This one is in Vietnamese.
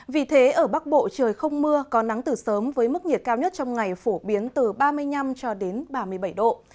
vì thế ở bắc bộ trời không mưa có nắng từ sớm với mức nhiệt cao nhất trong ngày phổ biến từ ba mươi năm cho đến ba mươi bảy độ